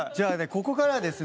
ここからはですね